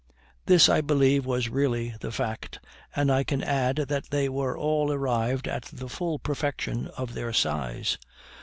This I believe was really the fact, and I can add that they were all arrived at the full perfection of their size.